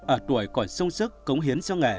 ở tuổi còn sông sức cống hiến cho nghề